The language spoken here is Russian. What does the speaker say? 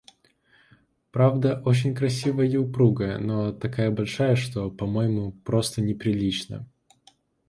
Правда, очень красивая и упругая, но такая большая, что, по-моему, просто неприлично.